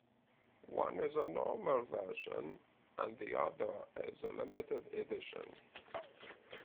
One is the normal version and the other is a limited edition.